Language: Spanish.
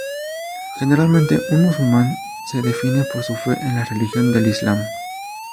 Generalmente, un musulmán se define por su fe en la religión del Islam.